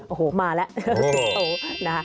โอ้โฮมาแล้วโอ้โฮ